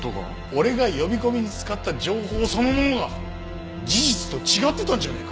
俺が呼び込みに使った情報そのものが事実と違ってたんじゃねえか？